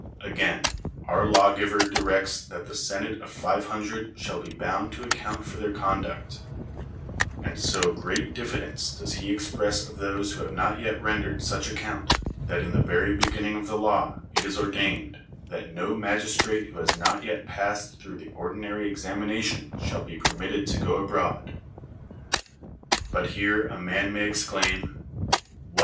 Again, our lawgiver directs that the senate of five hundred shall be bound to account for their conduct ; and so great diffidence does he express of those who have not yet rendered such account, that in the very beginning of the law it is ordained "that no magistrate who has not yet passed through the ordinary examination shall be j)ermitted to go abi oad." But here a mnn may (^xclaim, "AVhat!